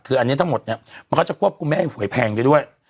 คืออันนี้ทั้งหมดมันก็จะควบคุมให้หวยแพงด้วย